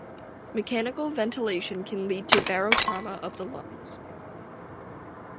Mechanical ventilation can lead to barotrauma of the lungs.